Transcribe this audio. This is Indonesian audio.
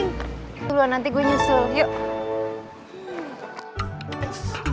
itulah nanti gue nyusul yuk